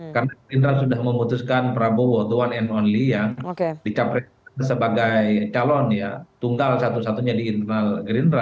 karena gerindra sudah memutuskan prabowo the one and only yang dicapres sebagai calon tunggal satu satunya di gerindra